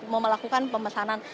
mau melakukan pemesanan